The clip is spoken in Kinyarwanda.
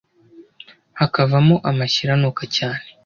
hakavamo amashyira anuka cyane,